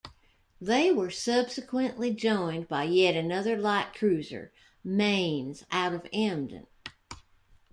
They were subsequently joined by yet another light cruiser, "Mainz" out of Emden.